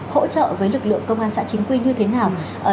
hỗ trợ với lực lượng công an xã chính quy như thế nào